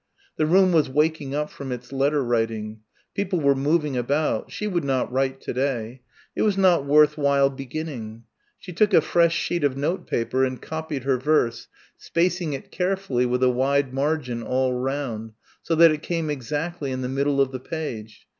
The room was waking up from its letter writing. People were moving about. She would not write to day. It was not worth while beginning. She took a fresh sheet of note paper and copied her verse, spacing it carefully with a wide margin all round so that it came exactly in the middle of the page.